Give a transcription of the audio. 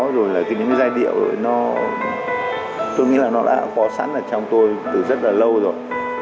rồi những giai điệu tôi nghĩ là nó đã có sẵn trong tôi từ rất là lâu rồi